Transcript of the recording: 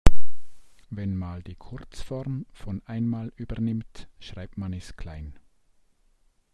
Wenn mal die Kurzform von einmal übernimmt, schreibt man es klein.